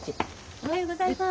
おはようございます。